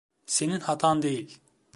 Senin hatan değil.